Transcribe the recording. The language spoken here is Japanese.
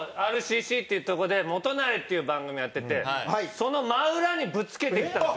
ＲＣＣっていうとこで『元就。』っていう番組やっててその真裏にぶつけてきたんですよ。